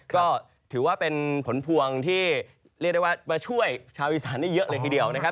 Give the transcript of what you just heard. ก็ถือว่าเป็นผลพวงที่เรียกได้ว่ามาช่วยชาวอีสานได้เยอะเลยทีเดียวนะครับ